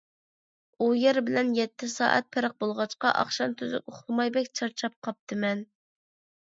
ئۇ يەر بىلەن يەتتە سائەت پەرق بولغاچقا، ئاخشام تۈزۈك ئۇخلىماي بەك چارچاپ قاپتىمەن.